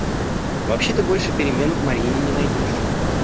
Вообще ты больших перемен в Марьине не найдешь.